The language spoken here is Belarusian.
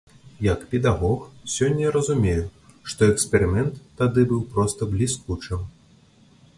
Як педагог, сёння я разумею, што эксперымент тады быў проста бліскучым.